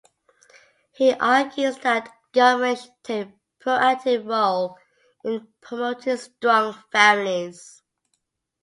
He argues that government should take a proactive role in promoting strong families.